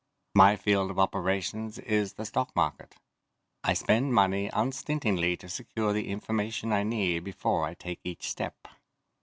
My field of operations is the stock market. I spend money unstintingly to secure the information I need before I take each step.